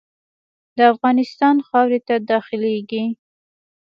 د افغانستان خاورې ته داخلیږي.